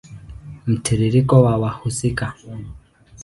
Mtiririko wa wahusika